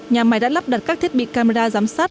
nhà máy đã lắp đặt các thiết bị camera giám sát